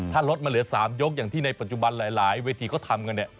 ถ้ารสมัยเหลื้อ๓ยกอย่างที่ปัจจุบันหลายเฉพาะก็ทำคือไน